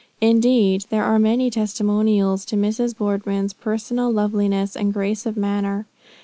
Indeed there are many testimonials to Mrs. Boardman's personal loveliness and grace of manner.